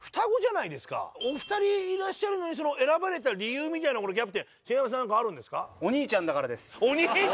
お２人いらっしゃるのに選ばれた理由みたいのキャプテン篠山さん何かあるんですか？